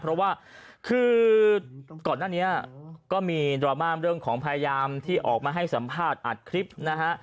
เพราะว่าคือก่อนหน้านี้ก็มีดราม่าเรื่องของพยายามที่ออกมาให้สัมภาษณ์อัดคลิปนะฮะ